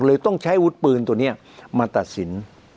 ต้องใช้อาวุธปืนตัวนี้มาตัดสิน